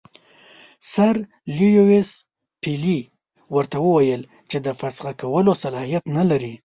سر لیویس پیلي ورته وویل چې د فسخ کولو صلاحیت نه لري.